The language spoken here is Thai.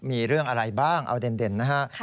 มีเรื่องอะไรบ้างเอาเด่นนะฮะ